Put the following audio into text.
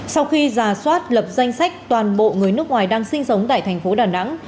sau khi giả soát lập danh sách toàn bộ người nước ngoài đang sinh sống tại thành phố đà nẵng